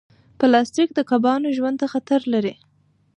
پلاستيک د کبانو ژوند ته خطر لري.